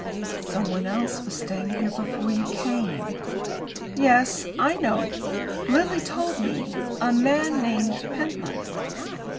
"Someone else was staying here before you came." "Yes, I know; Lily told me a man named Pentland."